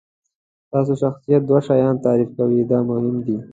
ستاسو شخصیت دوه شیان تعریف کوي دا مهم دي.